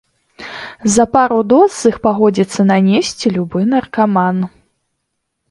За пару доз іх пагодзіцца нанесці любы наркаман.